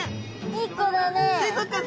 いい子だね。